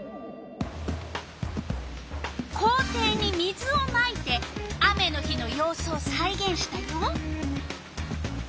校庭に水をまいて雨の日のようすをさいげんしたよ。